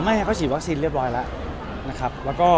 ไม่เขาฉีดวัคซีนเรียบร้อยแล้วนะครับ